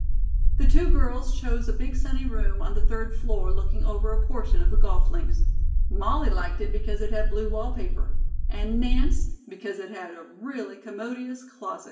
The two girls chose a big sunny room on the third floor looking over a portion of the golf links. Molly liked it because it had blue wallpaper and Nance because it had a really commodious closet.